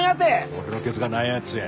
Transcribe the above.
俺のケツがなんやっつうんや？